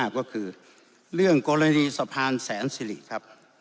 ก็คือเรื่องกรณีสะพานแสนสิริครับ